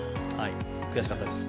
悔しかったです。